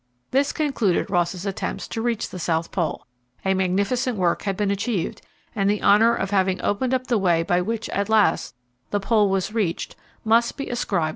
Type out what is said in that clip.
This concluded Ross's attempts to reach the South Pole. A magnificent work had been achieved, and the honour of having opened up the way by which, at last, the Pole was reached must be ascribed to Ross.